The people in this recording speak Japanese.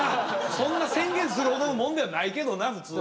そんな宣言するほどのもんではないけどな普通は。